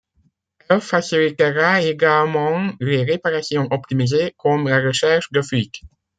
Elle facilitera également les réparations optimisées, comme la recherche de fuites.